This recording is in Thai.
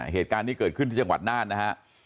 เหตุการณ์นี้เกิดขึ้นที่จังหวัดน่านนะฮะ